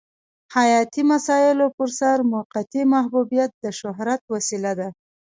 حیاتي مسایلو پرسر موقتي محبوبیت د شهرت وسیله ده.